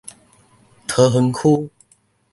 桃園區